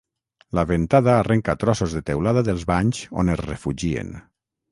La ventada arrenca trossos de teulada dels banys on es refugien.